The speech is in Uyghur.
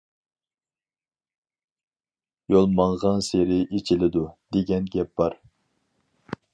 يول ماڭغانسېرى ئېچىلىدۇ، دېگەن گەپ بار.